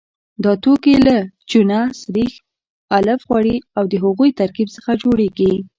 دا توکي له چونه، سريښ، الف غوړي او د هغوی ترکیب څخه جوړیږي.